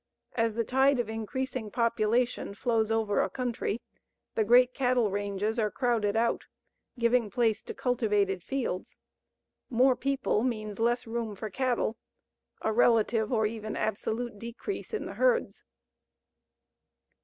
As the tide of increasing population flows over a country, the great cattle ranges are crowded out, giving place to cultivated fields. More people means less room for cattle a relative or even absolute decrease in the herds.